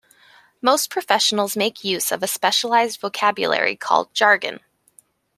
Most professionals make use of a specialised vocabulary called jargon.